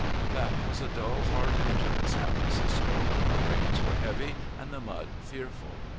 That was a dull hard winter in San Francisco; the rains were heavy, and the mud fearful.